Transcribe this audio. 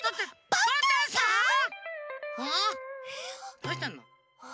どうしたの？え。